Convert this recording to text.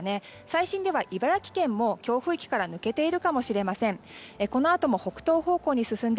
最新では茨城県も強風域から抜けているかもしれません。